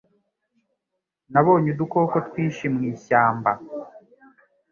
Nabonye udukoko twinshi mu ishyamba